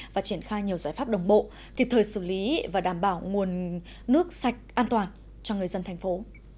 và triển khai nhiều giải pháp đồng bộ kịp thời xử lý và đảm bảo nguồn nước sạch an toàn cho người dân thành phố